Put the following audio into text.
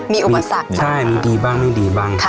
มีอุปสรรคใช่มีดีบ้างไม่ดีบ้าง